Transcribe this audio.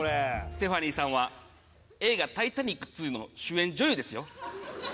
ステファニーさんは映画「タイタニック２」の主演女優ですよ。